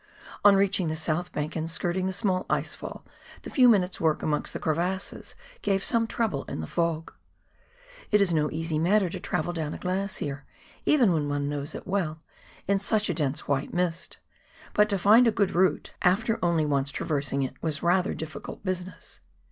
On reaching the south bank and skirting the small ice fall, the few minutes' work amongst the crevasses gave some trouble in the fog. It is no easy matter to travel down a glacier — even when one knows it well — in such a dense white mist, but to find a good route, after only once traversing it, was rather a difficult business.